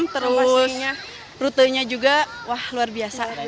terus rutenya juga wah luar biasa